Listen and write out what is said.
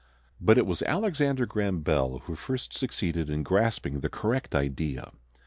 But it was Alexander Graham Bell who first succeeded in grasping the correct idea.